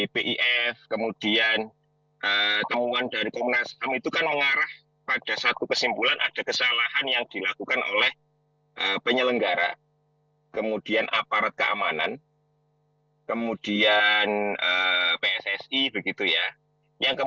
perusahaan nyawa hilang gitu ya